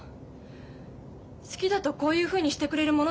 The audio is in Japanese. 好きだとこういうふうにしてくれるものなんだなって。